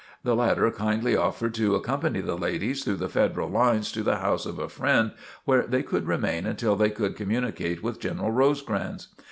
The latter kindly offered to accompany the ladies through the Federal lines to the house of a friend where they could remain until they could communicate with General Rosecrans.